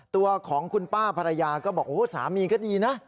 ตัวของคุณป้าภรรยาก็บอกโอ้สามีก็ดีนะ